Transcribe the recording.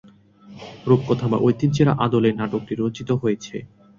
রূপকথা বা ঐতিহ্যের আদলে নাটকটি রচিত হয়েছে।